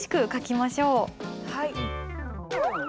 はい。